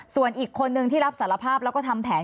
ส่วนอีกคนนึงที่รับสารภาพแล้วก็ทำแผน